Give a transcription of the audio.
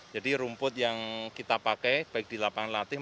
jadi rumput yang kita pakai baik di lapangan latihan